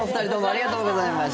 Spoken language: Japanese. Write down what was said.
ありがとうございます。